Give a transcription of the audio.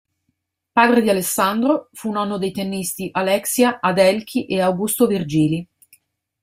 Padre di Alessandro, fu nonno dei tennisti Alexia, Adelchi e Augusto Virgili.